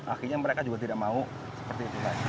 akhirnya mereka juga tidak mau seperti itu